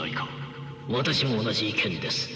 私も同じ意見です。